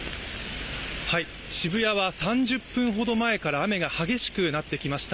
渋谷は３０分ほど前から雨が激しくなってきました。